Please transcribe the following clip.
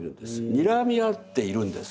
にらみ合っているんです。